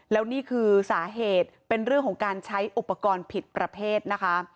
แล้วนี่คือสาเหตุเป็นเรื่องของการใช้อุปกรณ์ผิดประเภทนะคะ